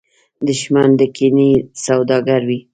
دښمن د کینې سوداګر وي